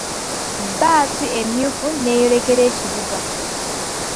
Bbaasi emyufu n'eyolekera ekibuga.